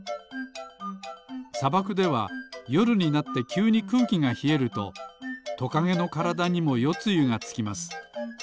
さばくではよるになってきゅうにくうきがひえるとトカゲのからだにもよつゆがつきます。